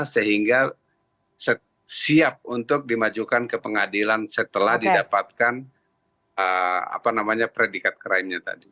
sehingga siap untuk dimajukan ke pengadilan setelah didapatkan predikat krimnya tadi